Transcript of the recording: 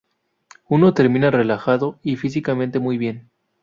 Uno termina relajado, físicamente muy bien.